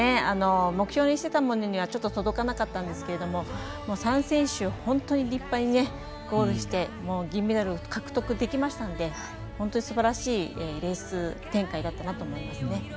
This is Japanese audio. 目標にしていたものにはちょっと届かなかったんですけど３選手、本当に立派にゴールして銀メダルを獲得できましたので本当にすばらしいレース展開だったと思います。